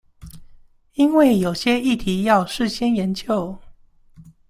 因為有些議題要事先研究